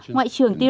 ngoại trưởng tiên